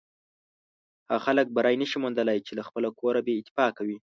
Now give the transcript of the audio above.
هغه خلک بری نشي موندلی چې له خپله کوره بې اتفاقه وي.